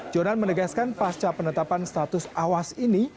jonan menegaskan pasca penetapan status awas ini